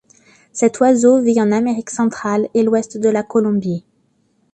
Cet oiseau vit en Amérique centrale et l'ouest de la Colombie.